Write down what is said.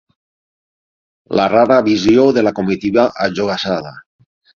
La rara visió de la comitiva ajogassada